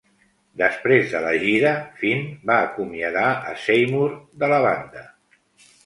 Després de la gira, Finn va acomiadar a Seymour de la banda.